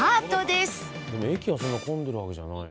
でも駅はそんな混んでるわけじゃない。